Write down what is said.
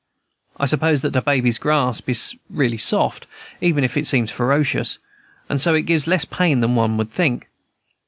I suppose that a baby's grasp is really soft, even if it seems ferocious, and so it gives less pain than one would think.